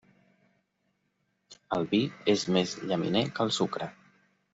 El vi és més llaminer que el sucre.